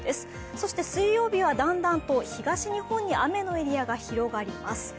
そして水曜日はだんだんと東日本に雨のエリアが広がります。